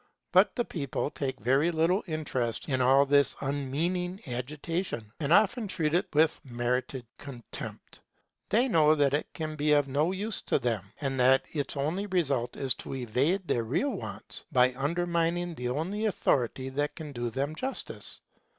But the people take very little interest in all this unmeaning agitation, and often treat it with merited contempt. They know that it can be of no use to them, and that its only result is to evade their real wants by undermining the only authority that can do them justice.